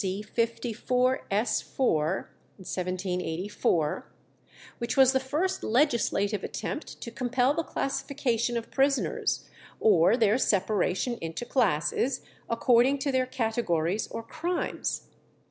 c. 54, s. 4 (1784), which was the first legislative attempt to compel the classification of prisoners, or their separation into classes according to their categories or crimes.